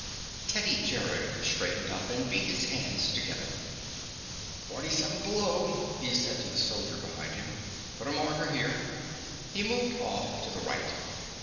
Teddy Gerrod straightened up and beat his hands together. "Forty seven below," he said to the soldier behind him. "Put a marker here." He moved off to the right.